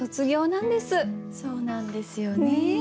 そうなんですよね。